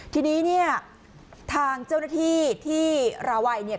ทีนี้เนี่ยทางเจ้าหน้าที่ที่ราวัยเนี่ย